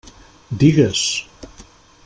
Digues!